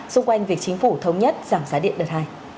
xung quanh việc chính phủ thống nhất giảm giá điện đợt hai